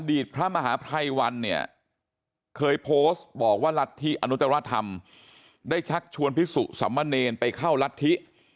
พระมหาภัยวันเนี่ยเคยโพสต์บอกว่ารัฐธิอนุตรธรรมได้ชักชวนพิสุสัมมะเนรไปเข้ารัฐธิ